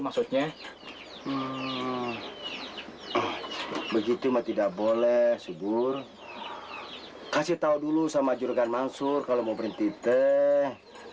maksudnya begitu tidak boleh subur kasih tahu dulu sama jurgan mansur kalau mau berhenti teh